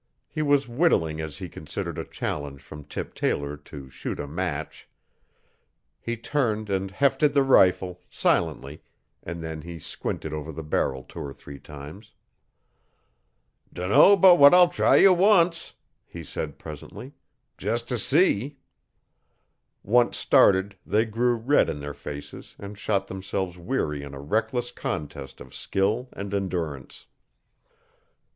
He was whittling as he considered a challenge from Tip Taylor to shoot a match. He turned and 'hefted' the rifle, silently, and then he squinted over the barrel two or three times. 'Dunno but what I'll try ye once,' he said presently, 'jes t' see.' Once started they grew red in their faces and shot themselves weary in a reckless contest of skill and endurance.